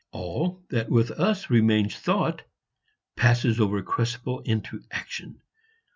All that with us remains thought passes over with Krespel into action.